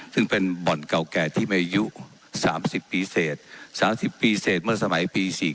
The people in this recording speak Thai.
ซึ่งเป็นบ่อนเก่าแก่ที่มีอายุ๓๐ปีเศษ๓๐ปีเสร็จเมื่อสมัยปี๔๔